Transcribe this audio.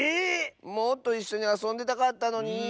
もっといっしょにあそんでたかったのに。